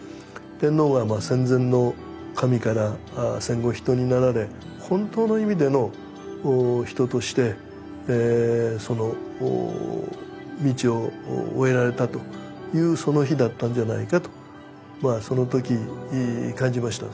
天皇が戦前の神から戦後人になられ本当の意味での人としてその道を終えられたというその日だったんじゃないかとまあそのとき感じました。